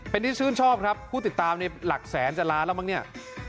เป็นที่ชื่นชอบครับผู้ติดตามในหลักแสนจะล้านแล้วมั้งเนี่ย